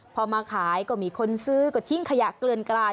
พอมาขายก็มีคนซื้อก็ทิ้งขยะเกลือนกลาย